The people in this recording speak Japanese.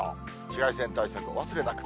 紫外線対策、お忘れなく。